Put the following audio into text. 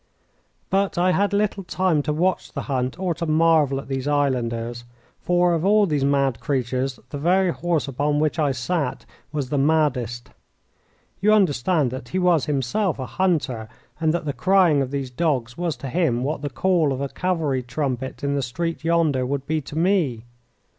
But I had little time to watch the hunt or to marvel at these islanders, for of all these mad creatures the very horse upon which I sat was the maddest. You understand that he was himself a hunter, and that the crying of these dogs was to him what the call of a cavalry trumpet in the street yonder would be to me.